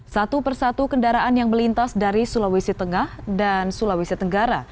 satu persatu kendaraan yang melintas dari sulawesi tengah dan sulawesi tenggara